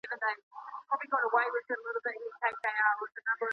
که ښوونکی دوستانه چلند وکړي نو ویره له منځه ځي.